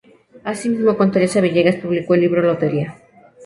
Asimismo, con Teresa Villegas, publicó el libro "Lotería!